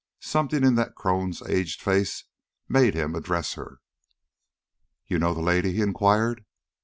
Something in that crone's aged face made him address her. "You know the lady?" he inquired.